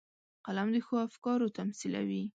قلم د ښو افکارو تمثیلوي